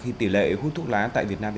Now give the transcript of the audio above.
khi tỷ lệ hút thuốc lá tại việt nam